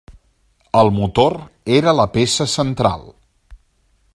El motor era la peça central.